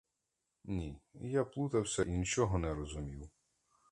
Ні, я плутався і нічого не розумів.